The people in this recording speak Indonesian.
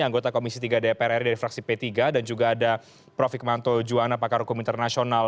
anggota komisi tiga dpr ri dari fraksi p tiga dan juga ada prof hikmanto juwana pakar hukum internasional